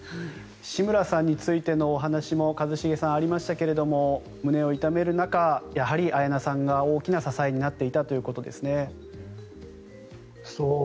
志村さんについてのお話も一茂さん、ありましたけれども胸を痛める中、綾菜さんが大きな支えになっていたということですね。